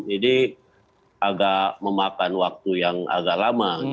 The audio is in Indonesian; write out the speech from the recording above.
jadi agak memakan waktu yang agak lama